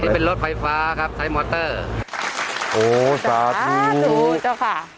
เป็นรถไฟฟ้าครับใช้มอเตอร์โอ้ผมดูตุ๊กค่ะ